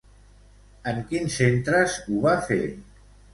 En quins centres ho va fer?